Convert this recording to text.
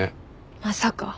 まさか。